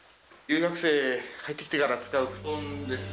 留学生、入ってきてから使う布団です。